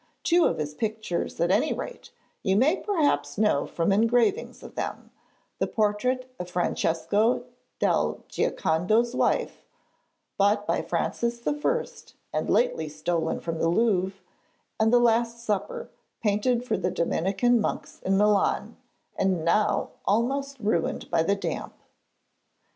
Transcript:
Two of his pictures, at any rate, you may perhaps know from engravings of them the portrait of Francesco del Giocondo's wife, bought by Francis the First and lately stolen from the Louvre, and the Last Supper, painted for the Dominican monks in Milan, and now almost ruined by the damp.